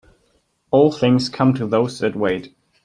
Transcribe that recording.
All things come to those that wait.